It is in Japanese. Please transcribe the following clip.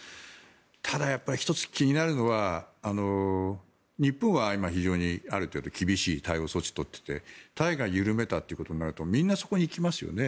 ただ、１月になるのは日本は非常にある程度厳しい対応措置を取っていてタイが緩めたということになるとみんなそこに行きますよね。